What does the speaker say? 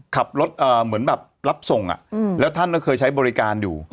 ขับรถเหมือนแบบรับส่งแล้วท่านก็เคยใช้บริการอยู่